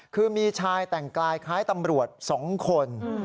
คือมีชายแต่งกายคล้ายตำรวจ๒คน